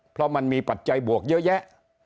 เพราะมันมีปัจจัยบวกเยอะแยะ